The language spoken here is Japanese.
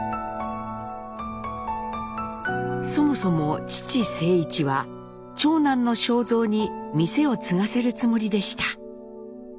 そもそも父静一は長男の昌三に店を継がせるつもりでした。